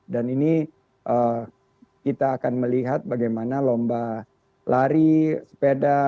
dan ini kita akan melihat bagaimana lomba lari sepeda